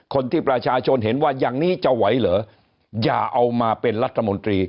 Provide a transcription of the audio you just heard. ประชาชนเห็นว่าอย่างนี้จะไหวเหรออย่าเอามาเป็นรัฐมนตรี